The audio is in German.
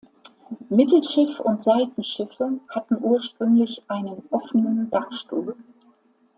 Mittelschiff und Seitenschiffe hatten ursprünglich einen offenen Dachstuhl.